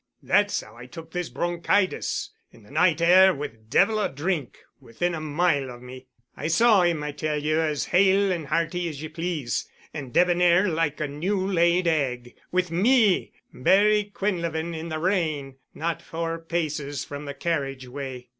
That's how I took this bronchitis—in the night air with devil a drink within a mile of me. I saw him, I tell you, as hale and hearty as ye please, and debonair like a new laid egg, with me, Barry Quinlevin, in the rain, not four paces from the carriage way."